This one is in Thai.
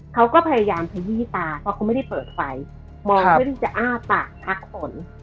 เขาก็พยายามที่ยี่ตาเขาก็ไม่ได้เปิดไฟมองไม่ได้จะอ้าปากทักฝน